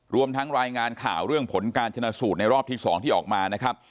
รวมทั้งรายงานข่าวเรื่องผลการชนะสูตรในรอบที่๒ที่ออกมานะครับ